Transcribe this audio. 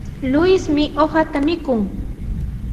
Luismi uqata mikun.